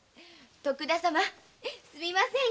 徳田様すみません